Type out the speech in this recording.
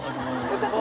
よかった。